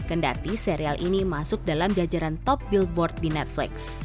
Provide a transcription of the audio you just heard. kendati serial ini masuk dalam jajaran top billboard di netflix